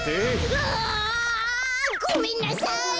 うわ！ごめんなさい！